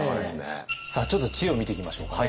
ちょっと知恵を見ていきましょうかね。